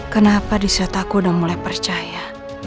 kenapa di saat aku sudah mulai percaya